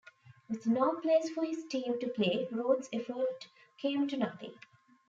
With no place for his team to play, Rhodes' effort came to nothing.